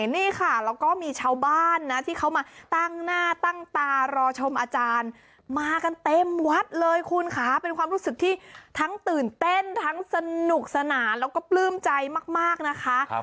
นี่ค่ะแล้วก็มีชาวบ้านนะที่เขามาตั้งหน้าตั้งตารอชมอาจารย์มากันเต็มวัดเลยคุณค่ะเป็นความรู้สึกที่ทั้งตื่นเต้นทั้งสนุกสนานแล้วก็ปลื้มใจมากนะคะ